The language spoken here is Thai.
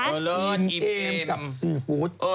เออเลิศอีกเกมกับซูฟู้ด